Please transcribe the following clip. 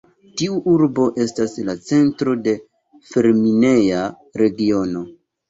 Tiu urbo estas la centro de fer-mineja regiono.